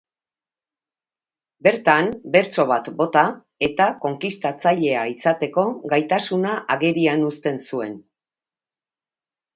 Bertan, bertso bat bota eta konkistatzailea izateko gaitasuna agerian uzten zuen.